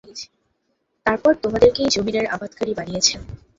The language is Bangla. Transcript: তারপর তোমাদেরকেই যমীনের আবাদকারী বানিয়েছেন।